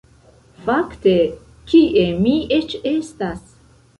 Fakte, kie mi eĉ estas?